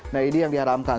nah ini yang diharamkan